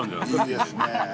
いいですね。